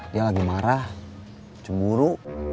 dia lagi marah cemburu